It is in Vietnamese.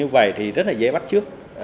vậy thì rất là dễ bắt trước